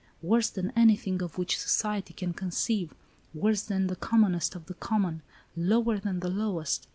Worse than anything of which society can con ceive, worse than the commonest of the common, lower than the lowest.